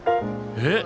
えっ？